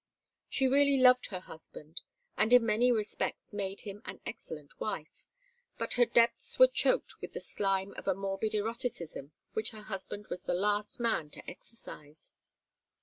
She really loved her husband, and in many respects made him an excellent wife, but her depths were choked with the slime of a morbid eroticism which her husband was the last man to exorcise.